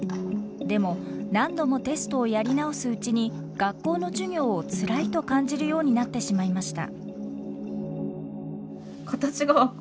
でも何度もテストをやり直すうちに学校の授業をつらいと感じるようになってしまいました。